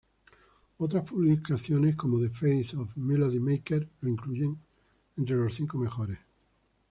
Otras publicaciones como The Face o Melody Maker lo incluyeron entre los cinco mejores.